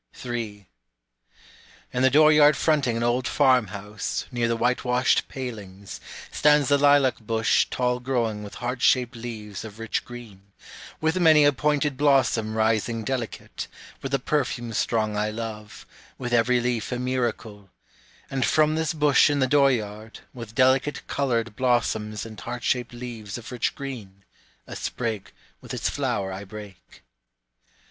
3. In the door yard fronting an old farm house, near the whitewashed palings, Stands the lilac bush tall growing with heart shaped leaves of rich green, With many a pointed blossom rising delicate, with the perfume strong I love, With every leaf a miracle; and from this bush in the door yard, With delicate colored blossoms and heart shaped leaves of rich green, A sprig with its flower I break.